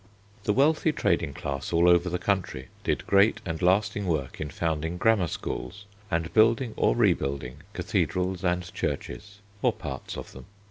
The wealthy trading class all over the country did great and lasting work in founding grammar schools and building or rebuilding cathedrals and churches or parts of them.